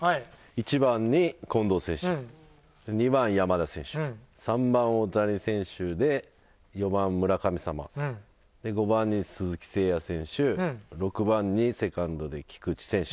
１番に近藤選手２番山田選手３番大谷選手で４番村神様５番に鈴木誠也選手６番にセカンドで菊池選手。